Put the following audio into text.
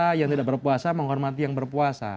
orang yang tidak berpuasa harus menghormati orang yang berpuasa